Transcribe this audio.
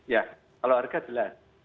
ya kalau harga jelas